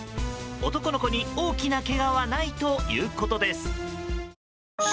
男の子に大きなけがはないということです。